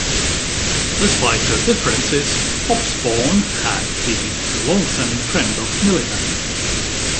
Despite their differences, Hobsbawm had been a long-standing friend of Miliband.